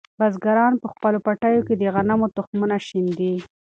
بزګران په خپلو پټیو کې د غنمو تخمونه شیندي.